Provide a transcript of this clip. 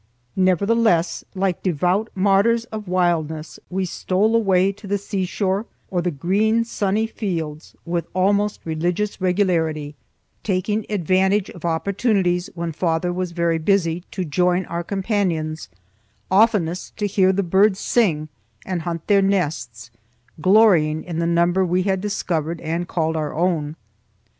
Nevertheless, like devout martyrs of wildness, we stole away to the seashore or the green, sunny fields with almost religious regularity, taking advantage of opportunities when father was very busy, to join our companions, oftenest to hear the birds sing and hunt their nests, glorying in the number we had discovered and called our own.